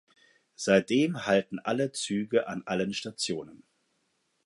Seitdem halten alle Züge an allen Stationen.